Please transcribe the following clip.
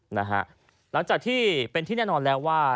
หลังจากที่เป็นที่แน่นอนแล้วว่า